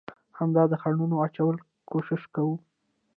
هم د خنډانو اچولو کوشش کوو،